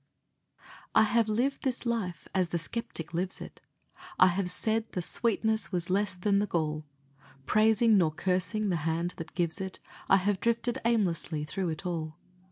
I have lived this life as the skeptic lives it; I have said the sweetness was less than the gall; Praising, nor cursing, the Hand that gives it, I have drifted aimlessly through it all.